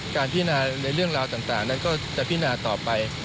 พินาในเรื่องราวต่างนั้นก็จะพินาต่อไป